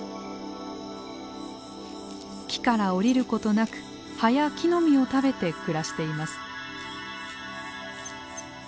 木から下りることなく葉や木の実を食べて暮らしています。